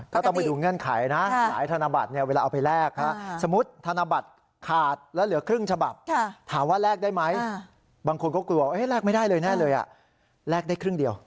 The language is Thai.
ก็ต้องไปดูเงื่อนไขนะหลายธนบัตรเนี่ยเวลาเอาไปแลกสมมุติธนบัตรขาดแล้วเหลือครึ่งฉบับถามว่าแลกได้ไหมบางคนก็กลัวแลกไม่ได้เลยแน่เลยแลกได้ครึ่งเดียว